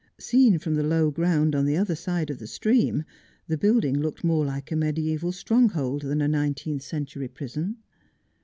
Seen from the low ground on the other side of the stream, the building looked more like a medieval stronghold than a nineteenth century prison.